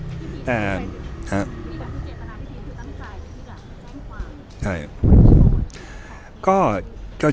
มีการสูญเกตตาที่ดีตั้งทายมีการแน่นความ